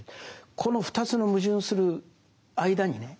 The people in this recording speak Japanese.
この２つの矛盾する間にね